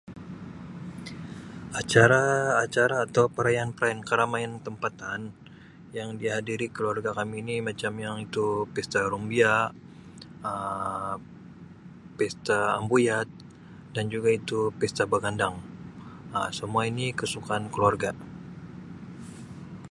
Acara-acara atau perayaan-perayaan keramaian tempatan yang dihadiri keluarga kami ni macam yang itu Pesta Rumbia, Um Pesta Ambuyat juga itu Pesta Bagandang. Um semua ini kesukaan keluarga.